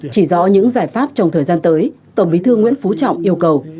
chỉ rõ những giải pháp trong thời gian tới tổng bí thư nguyễn phú trọng yêu cầu